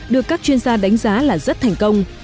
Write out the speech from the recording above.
được các chuyên gia đánh giá là rất thành công